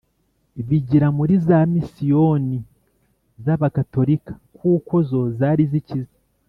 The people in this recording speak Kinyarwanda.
Bigira muri za misiyoni z abagatorika kuko zo zari zikize